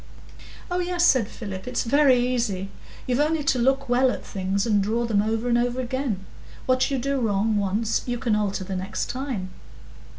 "Oh, yes," said Philip, "it's very easy. You've only to look well at things, and draw them over and over again. What you do wrong once, you can alter the next time."